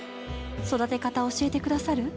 育て方教えて下さる？